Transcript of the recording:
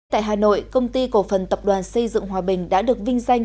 tại hà nội công ty cổ phần tập đoàn xây dựng hòa bình đã được vinh danh